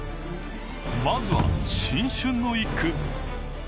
まずは新春の１区。